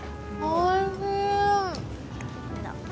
おいしい。